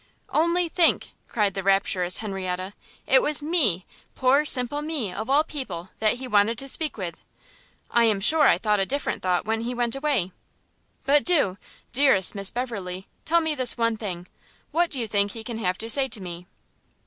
"Only think," cried the rapturous Henrietta, "it was me, poor simple me, of all people, that he wanted so to speak with! I am sure I thought a different thought when he went away! but do, dearest Miss Beverley, tell me this one thing, what do you think he can have to say to me?"